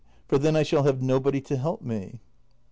For then I shall have nobody to help me.